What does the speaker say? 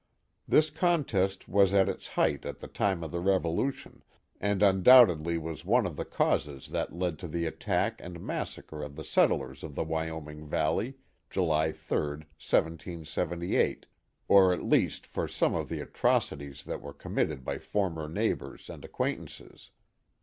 This contest was at its height at the time of the Revolution, and undoubtedly was one of the causes that led to the attack and massacre of the settlers of the Wyoming Valley, July 3, 1778, or at least for some of the atrocities that were committed by former neigh bors and acquaintances.